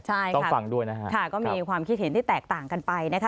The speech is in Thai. ใช่ค่ะต้องฟังด้วยนะฮะค่ะก็มีความคิดเห็นที่แตกต่างกันไปนะคะ